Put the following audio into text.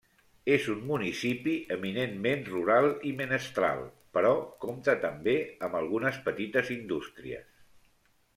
És un municipi eminentment rural i menestral, però compta també amb algunes petites indústries.